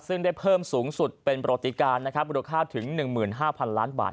ซึ่งได้เพิ่มสูงสุดเป็นประวัติการนะครับมูลค่าถึง๑๕๐๐๐ล้านบาท